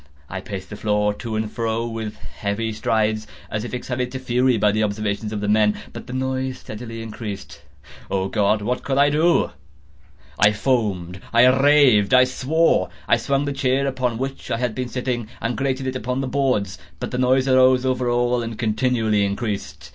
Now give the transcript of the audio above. I paced the floor to and fro with heavy strides, as if excited to fury by the observations of the men—but the noise steadily increased. Oh God! what could I do? I foamed—I raved—I swore! I swung the chair upon which I had been sitting, and grated it upon the boards, but the noise arose over all and continually increased.